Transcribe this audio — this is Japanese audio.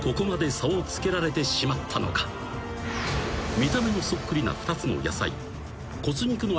［見た目のそっくりな２つの野菜］